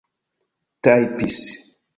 tajpis